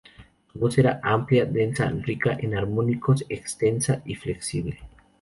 Su voz era amplia, densa, rica en armónicos, extensa y flexible.